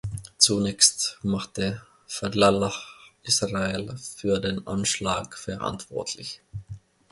Zunächst machte Fadlallah Israel für den Anschlag verantwortlich.